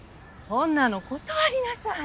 そんなの断りなさい！